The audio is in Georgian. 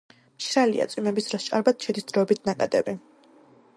მშრალია; წვიმების დროს ჭარბად შედის დროებითი ნაკადები.